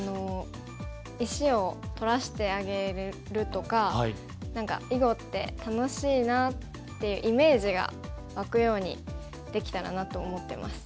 石を取らせてあげるとか何か囲碁って楽しいなってイメージが湧くようにできたらなと思ってます。